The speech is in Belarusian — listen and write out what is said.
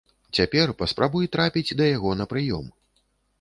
Цяпер паспрабуй трапіць да яго на прыём.